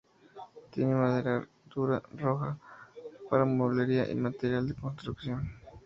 Tiene madera dura, roja, para mueblería, y material de la construcción.